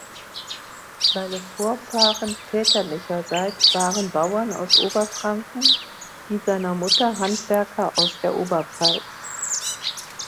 Seine Vorfahren väterlicherseits waren Bauern aus Oberfranken, die seiner Mutter Handwerker aus der Oberpfalz.